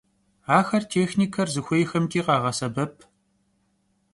Axer têxniker zıxuêyxemç'i khağesebep.